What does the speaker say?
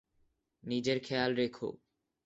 নিজের খেয়াল রেখো।